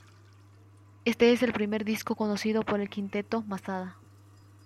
Este es el primer disco conocido por el Quinteto Masada.